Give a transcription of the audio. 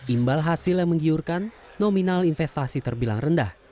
imbal hasil yang menggiurkan nominal investasi terbilang rendah